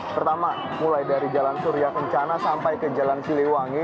pertama mulai dari jalan surya kencana sampai ke jalan siliwangi